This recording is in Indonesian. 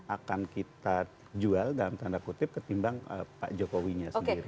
akan kita jual dalam tanda kutip ketimbang pak jokowinya sendiri